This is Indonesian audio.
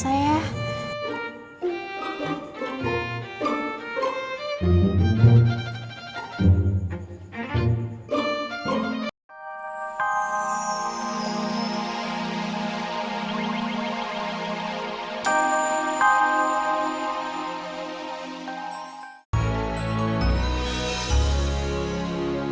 jangan lupa estabrikan